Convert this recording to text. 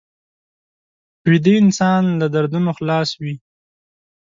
ویده انسان له دردونو خلاص وي